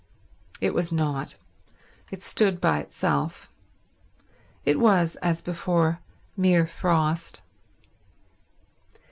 It was not. It stood by itself. It was, as before, mere frost.